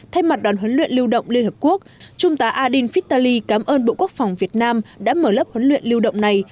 thay mặt đoàn huấn luyện lưu động liên hợp quốc trung tá adin fittaly cảm ơn bộ quốc phòng việt nam đã mở lớp huấn luyện lưu động này